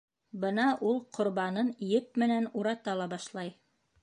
Бына ул ҡорбанын еп менән урата ла башлай.